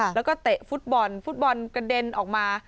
แล้วก็เตะฟุตบอลฟุตบอลกระเด็นออกมา